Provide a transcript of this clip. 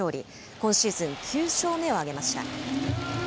今シーズン９勝目を挙げました。